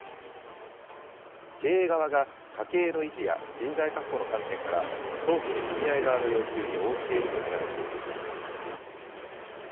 経営側が家計の維持や人材確保の観点から、早期に組合側の要求に応じていると見られています。